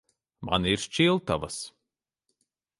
Man ir šķiltavas.